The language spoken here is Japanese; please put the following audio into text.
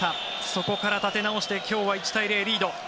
そこから立て直して今日は１対０リード。